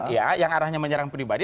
ya yang arahnya menyerang pribadi